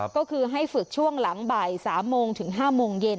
ก็คือให้ฝึกช่วงหลังบ่าย๓โมงถึง๕โมงเย็น